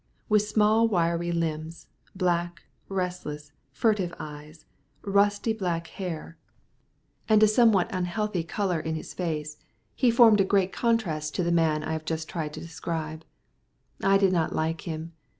With small wiry limbs, black, restless, furtive eyes, rusty black hair, and a somewhat unhealthy colour in his face, he formed a great contrast to the man I have just tried to describe. I did not like him.